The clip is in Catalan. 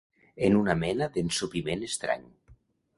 En una mena d'ensopiment estrany.